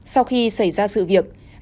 sau khi xảy ra sự việc